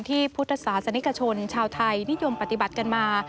พุทธศาสนิกชนชาวไทยนิยมปฏิบัติกันมา